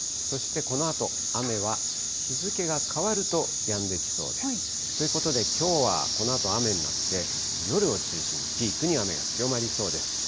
そしてこのあと、雨は日付が変わると、やんできそうです。ということできょうはこのあと、雨になって、夜を中心にピークに雨が強まりそうです。